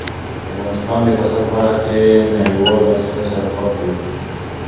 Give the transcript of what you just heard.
افغانستان د پسه په برخه کې نړیوالو بنسټونو سره کار کوي.